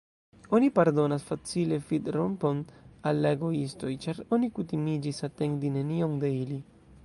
Oni pardonas facile fidrompon al la egoistoj, ĉar oni kutimiĝis atendi nenion de ili.